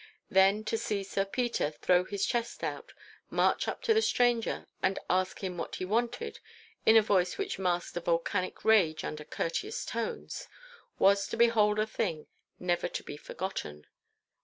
Then to see Sir Peter throw his chest out, march up to the stranger and ask him what he wanted in a voice which masked a volcanic rage under courteous tones, was to behold a thing never to be forgotten.